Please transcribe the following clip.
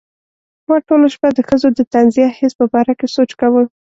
ما ټوله شپه د ښځو د طنزیه حس په باره کې سوچ کاوه.